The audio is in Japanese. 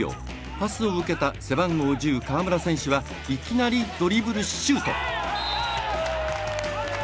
パスを受けた背番号１０、川村選手はいきなりドリブルシュート。